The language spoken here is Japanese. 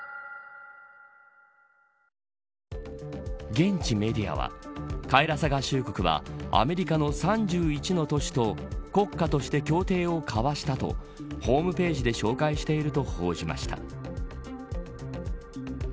現地メディアはカイラサ合衆国はアメリカの３１の都市と国家として協定を交わしたとホームページで紹介していると報じました。